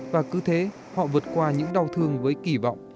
và cứ thế họ vượt qua những đau thương với kỳ vọng